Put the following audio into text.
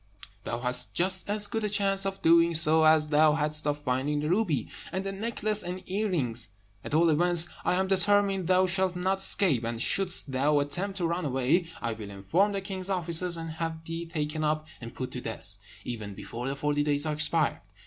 Thou hast just as good a chance of doing so as thou hadst of finding the ruby, and the necklace and earrings. At all events, I am determined thou shalt not escape; and shouldst thou attempt to run away, I will inform the king's officers, and have thee taken up and put to death, even before the forty days are expired.